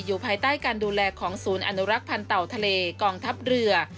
ภายใต้การดูแลของศูนย์อนุรักษ์พันธ์เต่าทะเลกองทัพเรือ